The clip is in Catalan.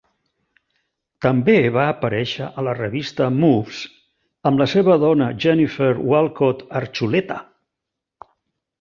També va aparèixer a la revista "Moves" amb la seva dona Jennifer Walcott Archuleta.